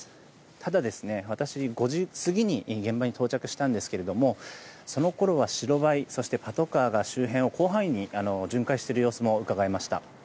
ただ、私は５時過ぎに現場に到着したんですがそのころは白バイそしてパトカーが周辺を広範囲に巡回している様子もうかがえました。